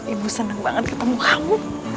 ibu senang banget ketemu kamu